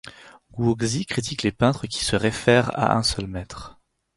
Guo Xi critique les peintres qui se réfèrent à un seul maître.